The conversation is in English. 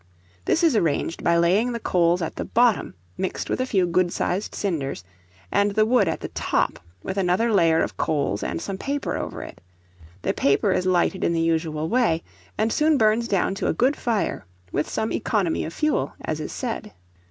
This is arranged by laying the coals at the bottom, mixed with a few good sized cinders, and the wood at the top, with another layer of coals and some paper over it; the paper is lighted in the usual way, and soon burns down to a good fire, with some economy of fuel, as is said.